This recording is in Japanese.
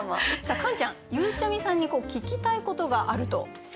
カンちゃんゆうちゃみさんに聞きたいことがあると。